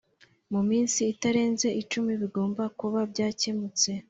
mu minsi itarenze icumi bigomba kuba byakemutse